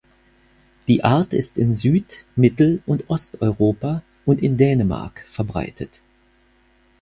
Die Art ist in Süd-, Mittel- und Osteuropa und in Dänemark verbreitet.